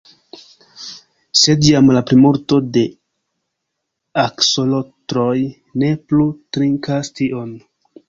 Sed jam la plimulto de aksolotloj ne plu trinkas tion.